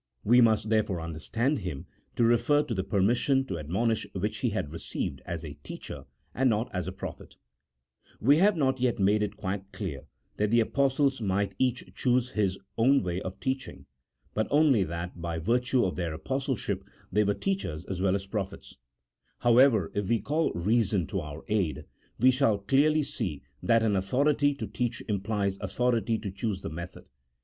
We must therefore understand him to refer to the permission to admonish which he had received as a teacher, and not as a prophet, We have not yet made it quite clear that the Apostles might each choose his own CHAP. XI.] OF THE APOSTOLIC MISSION. 163 way of teaching, but only that by virtue of their Apostle ship they were teachers as well as prophets ; however, if we call reason to our aid we shall clearly see that an authority to teach implies authority to choose the method.